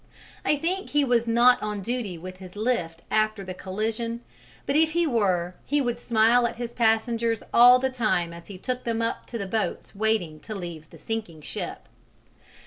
I think he was not on duty with his lift after the collision, but if he were, he would smile at his passengers all the time as he took them up to the boats waiting to leave the sinking ship.